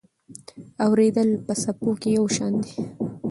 اورېدل په څپو کې یو شان دي.